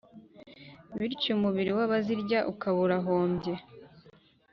bityo umubiri w’abazirya ukaba urahombye.